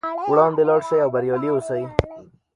وړاندې لاړ شئ او بریالي اوسئ.